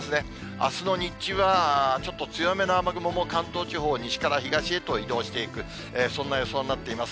あすの日中はちょっと強めの雨雲も関東地方、西から東へと移動していく、そんな予想になっています。